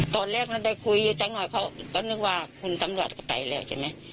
ตอนแรกถ้าได้คุยอยู่สักหน่อยเขาก็นึกว่าคุณตำรวจก็ไปแล้วใช่ไหม